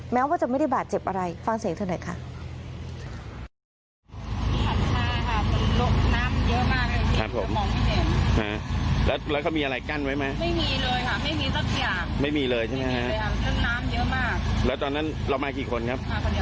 แม้ว่าจะไม่ได้บาดเจ็บอะไรฟังเสียงเธอหน่อยค่ะ